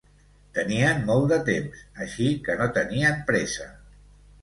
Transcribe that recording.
Tenien molt de temps, així que no tenien pressa.